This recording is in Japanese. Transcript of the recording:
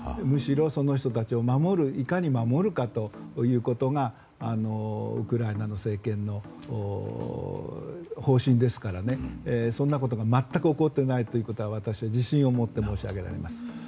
むしろ、その人たちをいかに守るかということがウクライナの政権の方針ですからそんなことが全く起こっていないということは私は自信を持って申し上げられます。